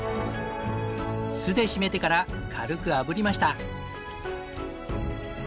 酢で締めてから軽くあぶりました。